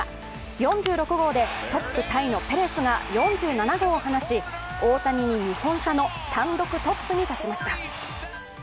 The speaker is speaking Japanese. ４６号でトップタイのペレスが４７号を放ち４７号を放ち大谷に２本差の単独トップに立ちました。